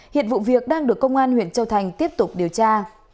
hiện vụ việc đang được công an huyện châu thành tiếp tục điều tra